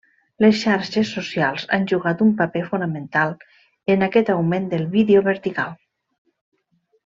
Les xarxes socials han jugat un paper fonamental en aquest augment del vídeo vertical.